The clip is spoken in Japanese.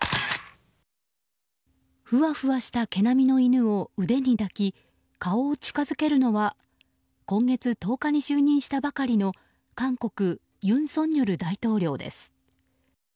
ふわふわした毛並みの犬を腕に抱き顔を近づけるのは今月１０日に就任したばかりの韓国、尹錫悦大統領です。